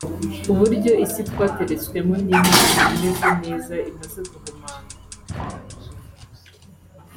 uburyo isi twateretswemo n’Imana imeze neza imaze guhumana